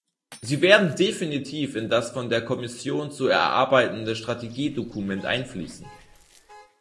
Sie werden definitiv in das von der Kommission zu erarbeitende Strategiedokument einfließen.